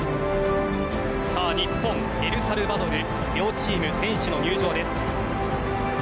さあ日本、エルサルバドル両チーム選手の入場です。